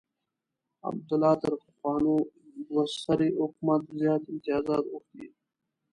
عبدالله تر پخواني دوه سري حکومت زیات امتیازات غوښتي.